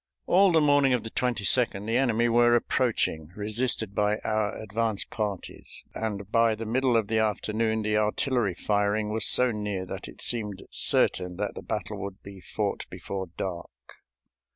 All the morning of the 22d the enemy were approaching, resisted by our advance parties, and by the middle of the afternoon the artillery firing was so near that it seemed certain that the battle would be fought before dark.